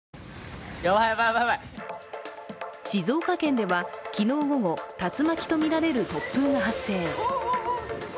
静岡県では昨日午後竜巻とみられる突風が発生。